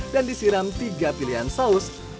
dan disiram tiga pilihan saus